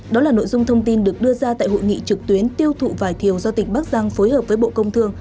đó là nội dung thông tin được đưa ra tại hội nghị trực tuyến tiêu thụ vải thiều do tỉnh bắc giang phối hợp với bộ công thương